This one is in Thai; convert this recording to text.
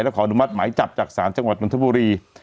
และขออนุมัติหมายจับจากศาลจังหวัดนทบุรี